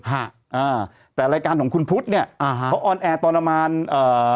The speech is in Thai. ฮะอ่าแต่รายการของคุณพุทธเนี้ยอ่าฮะเขาออนแอร์ตอนประมาณเอ่อ